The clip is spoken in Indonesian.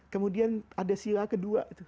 kemudian ada sila kedua